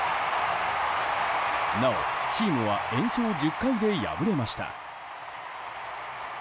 なお、チームは延長１０回で敗れました。